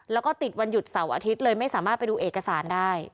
แล้วก็ติดวันหยุดเสาร์อาทิตย์เลยไม่สามารถไปดูเอกสารได้